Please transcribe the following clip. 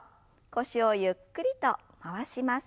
腰をゆっくりと回します。